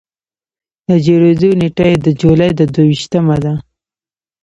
د جوړېدو نېټه یې د جولایي د دوه ویشتمه ده.